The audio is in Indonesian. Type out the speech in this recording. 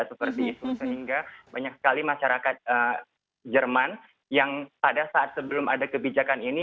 sehingga banyak sekali masyarakat jerman yang pada saat sebelum ada kebijakan ini